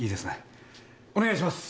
お願いします。